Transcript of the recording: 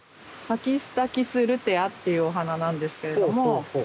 パキスタキスルテアっていうお花なんですけれども。